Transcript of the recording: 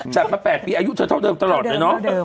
จัดมา๘ปีอายุเธอเท่าเดิมตลอดเลยเนาะ